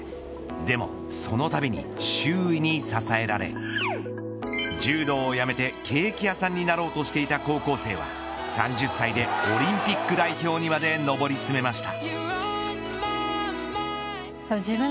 でも、そのたびに周囲に支えられ柔道をやめてケーキ屋さんになろうとしていた高校生は３０歳でオリンピック代表にまで上り詰めました。